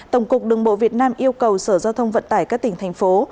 tổng cục đường bộ việt nam yêu cầu sở giao thông vận tải các tỉnh thành phố